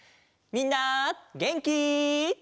みんなげんき？